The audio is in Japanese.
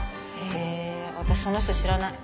へえ私その人知らない。